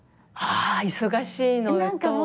あ忙しいのと。